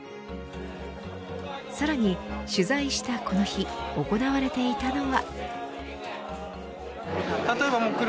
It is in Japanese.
さらに、取材したこの日行われていたのは。